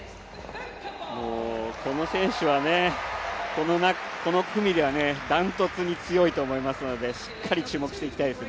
この選手は、この組ではダントツに強いと思いますのでしっかり注目していきたいです。